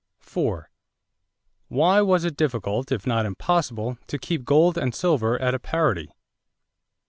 4. Why was it difficult, if not impossible, to keep gold and silver at a parity?